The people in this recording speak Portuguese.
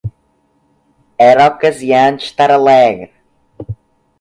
Era a ocasião de estar alegre.